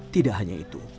tidak hanya itu